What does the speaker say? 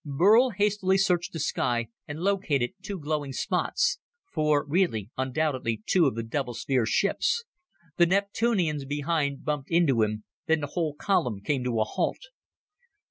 Burl hastily searched the sky and located two glowing spots four really undoubtedly two of the double sphere ships. The Neptunians behind bumped into him, then the whole column came to a halt.